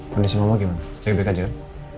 kondisi mama gimana baik baik aja kan